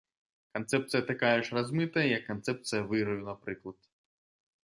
Канцэпцыя такая ж размытая, як канцэпцыя выраю, напрыклад.